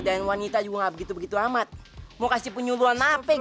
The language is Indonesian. yang mau nyantri disini